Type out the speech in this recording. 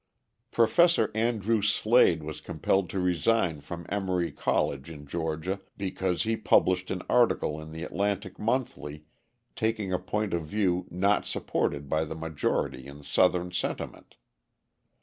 Professor Andrew Slade was compelled to resign from Emory College in Georgia because he published an article in the Atlantic Monthly taking a point of view not supported by the majority in Southern sentiment!